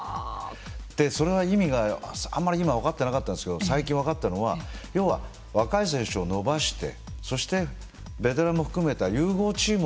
それは意味があんまり分かってなかったんですけど最近分かったのは要は若い選手を伸ばしてそしてベテランも含めた融合チームを作る。